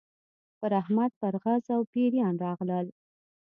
پر احمد پرغز او پېریان راغلل.